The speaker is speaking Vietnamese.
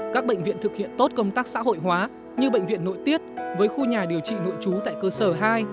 các bệnh viện thực hiện tốt công tác xã hội hóa như bệnh viện nội tiết với khu nhà điều trị nội trú tại cơ sở hai